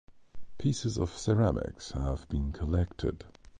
Pieces of ceramics have been collected.